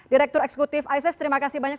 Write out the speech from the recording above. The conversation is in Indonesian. direktur eksekutif isis terima kasih banyak